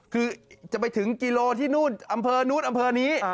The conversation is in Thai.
คือจะไปถึงกิโลเมตรที่นู้นอันพ้อนู้นอันพ้อนี้